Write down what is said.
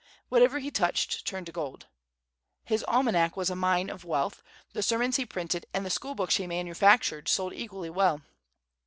Whatever he touched turned to gold. His almanac was a mine of wealth; the sermons he printed, and the school books he manufactured, sold equally well.